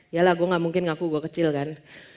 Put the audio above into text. yalah gue gak mungkin ngaku gue kecil kan